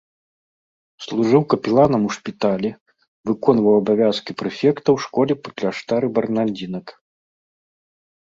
Служыў капеланам у шпіталі, выконваў абавязкі прэфекта ў школе пры кляштары бернардзінак.